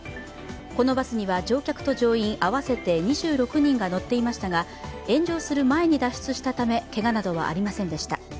このバスには乗客と乗員合わせて２６人が乗っていましたが炎上する前に脱出したためけがなどはありませんでした。